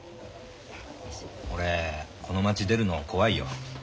俺この町出るの怖いよ。